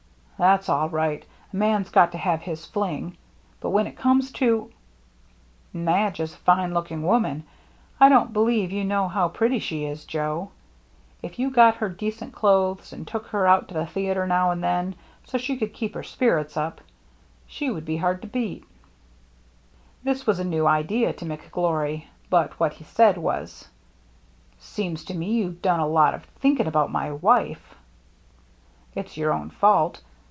" That's all right. A man's got to have his fling. But when it comes to —"" Madge is a fine looking woman. I don't believe you know how pretty she is, Joe. If you got her decent clothes, and took her out to the theatre now and then, so she could keep her spirits up, she would be hard to beat" This was a new idea to McGlory. But what he said was, " Seems to me you've done a lot of thinking about my wife." " It's your own fault.